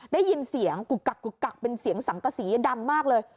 ได้ยินเสียงกุกกักกุกกักเป็นเสียงสังกษีดังมากเลย